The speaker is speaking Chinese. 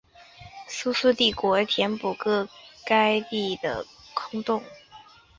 苏苏帝国填补个该地区的空洞。